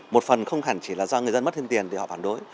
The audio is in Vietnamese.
một phần không hẳn chỉ là do người dân mất thêm tiền thì họ phản đối